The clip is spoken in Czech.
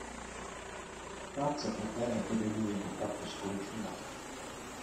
Krátce poté epidemie opravdu skončila.